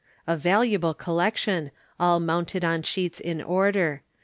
A valuable collection, all mounted on sheets in order.